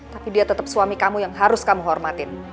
tapi dia tetap suami kamu yang harus kamu hormatin